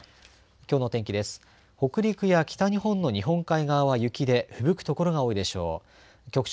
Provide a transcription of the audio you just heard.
きょうの天気です。